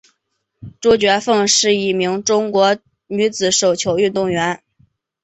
朱觉凤是一名中国女子手球运动员。